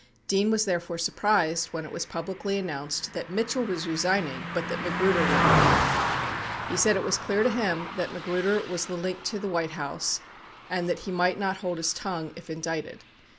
88 Dean was therefore surprised when it was publicly announced that Mitchell was resigning but that Ma gruder would remain. He said it was clear to him that Magruder was the link to the White House and that he might not hold his tongue if indicted.